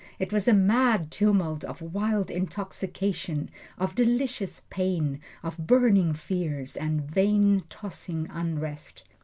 It was a mad tumult of wild intoxication, of delicious pain, of burning fears, and vain, tossing unrest.